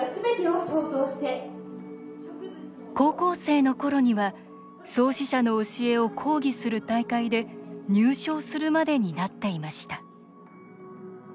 高校生のころには創始者の教えを講義する大会で入賞するまでになっていました。